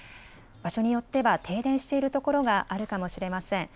場所によっては停電しているところがあるかもしれません。